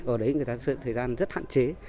ở đấy người ta sẽ có thời gian rất hạn chế